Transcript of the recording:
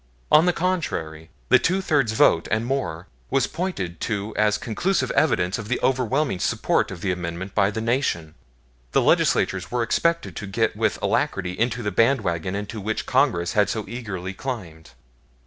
On the contrary, the two thirds vote (and more) was pointed to as conclusive evidence of the overwhelming support of the Amendment by the nation; the Legislatures were expected to get with alacrity into the band wagon into which Congress had so eagerly climbed.